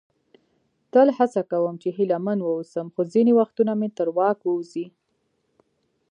تل هڅه کوم چې هیله مند واوسم، خو ځینې وختونه مې تر واک ووزي.